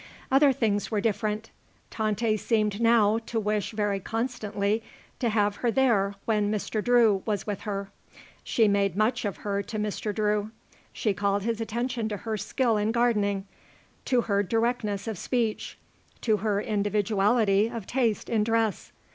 Other things were different. Tante seemed now to wish very constantly to have her there when Mr. Drew was with her. She made much of her to Mr. Drew. She called his attention to her skill in gardening, to her directness of speech, to her individuality of taste in dress.